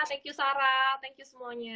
thank you sarah thank you semuanya